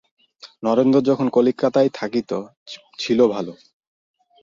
নরেন্দ্র যখন কলিকাতায় থাকিত, ছিল ভালো।